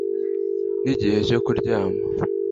nigihe cyo kuryama